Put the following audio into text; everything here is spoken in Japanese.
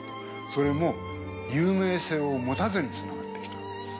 それも有名性を持たずにつながってきたわけです。